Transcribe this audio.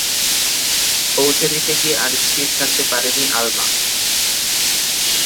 পৌঁছে দিতে গিয়ে আর স্থির থাকতে পারেনি আলমা।